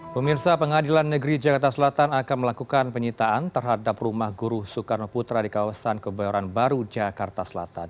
pemirsa pengadilan negeri jakarta selatan akan melakukan penyitaan terhadap rumah guru soekarno putra di kawasan kebayoran baru jakarta selatan